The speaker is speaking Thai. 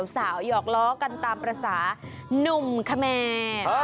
สาวหยอกล้อกันตามภาษานุ่มขมัน